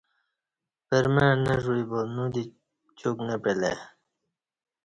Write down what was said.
پرمع نہ ژ وی با نودی چوک نہ پعلے